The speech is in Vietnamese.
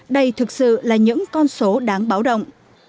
đây thực sự là những con số đáng báo động